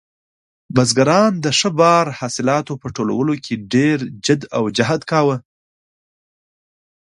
بزګران د ښه بار حاصلاتو په ټولولو کې ډېر جد او جهد کاوه.